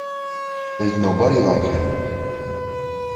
There is nobody like him.